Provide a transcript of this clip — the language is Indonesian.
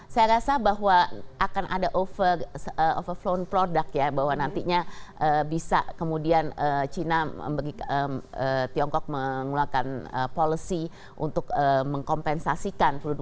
saya rasa bahwa akan ada over flow product ya bahwa nantinya bisa kemudian china tiongkok mengeluarkan policy untuk mengkompensasikan